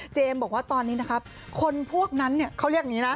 บอกว่าตอนนี้นะครับคนพวกนั้นเขาเรียกอย่างนี้นะ